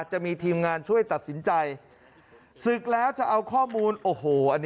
จะมีทีมงานช่วยตัดสินใจศึกแล้วจะเอาข้อมูลโอ้โหอันนี้